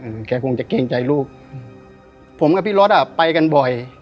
อืมแกคงจะเกรงใจลูกอืมผมกับพี่รถอ่ะไปกันบ่อย